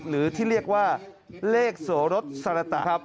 หรือที่เรียกว่าเลขโสรสสรตะครับ